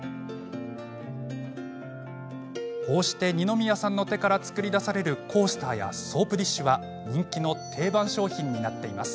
こうして二宮さんの手から作り出されるコースターやソープディッシュは人気の定番商品になっています。